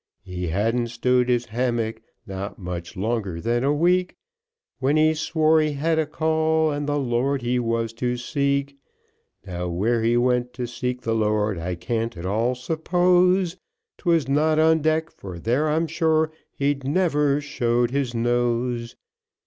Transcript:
He hadn't stow'd his hammock, not much longer than a week, When he swore he had a call, and the Lord he was to seek. Now where he went to seek the Lord, I can't at all suppose, 'Twas not on deck for there I'm sure, he never show'd his nose.